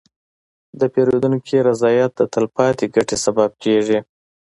د پیرودونکي رضایت د تلپاتې ګټې سبب کېږي.